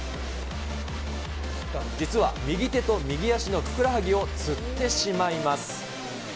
実は右手と右足のふくらはぎをつってしまいます。